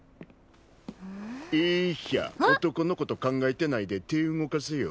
えひゃ男のこと考えてないで手動かせよ。